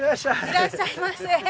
いらっしゃいませ。